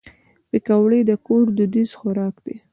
پکورې د کور دودیز خوراک دی